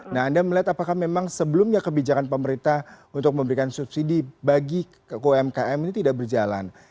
nah anda melihat apakah memang sebelumnya kebijakan pemerintah untuk memberikan subsidi bagi umkm ini tidak berjalan